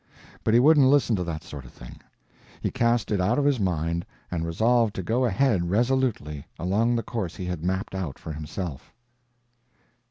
But he wouldn't listen to that sort of thing; he cast it out of his mind and resolved to go ahead resolutely along the course he had mapped out for himself.